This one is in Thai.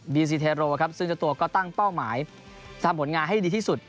ซีเทโรครับซึ่งเจ้าตัวก็ตั้งเป้าหมายทำผลงานให้ดีที่สุด